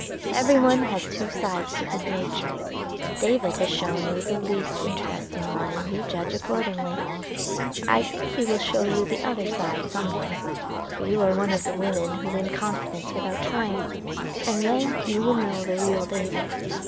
Every one has two sides to his nature: David has shown you the least interesting one, and you judge accordingly. I think he will show you the other side some day,—for you are one of the women who win confidence without trying,—and then you will know the real David.